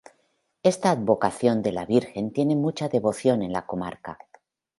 Esta advocación de la Virgen tiene mucha devoción en la comarca.